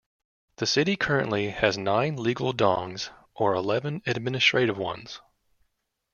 The city currently has nine legal dongs, or eleven administrative ones.